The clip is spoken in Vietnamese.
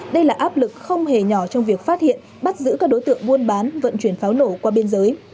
đây là áp lực không hề nhỏ trong việc phát hiện bắt giữ các đối tượng buôn bán vận chuyển pháo nổ qua biên giới